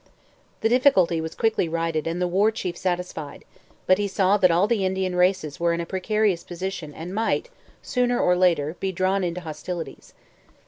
The difficulty was quickly righted and the War Chief satisfied, but he saw that all the Indian races were in a precarious position and might, sooner or later, be drawn into hostilities.